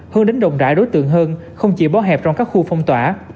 hơn đến rộng rãi đối tượng hơn không chỉ bó hẹp trong các khu phong tỏa